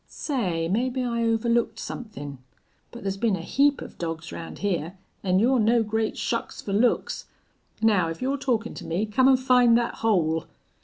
"Say, maybe I overlooked somethin'? But there's been a heap of dogs round here an' you're no great shucks for looks. Now, if you're talkin' to me come an' find that hole."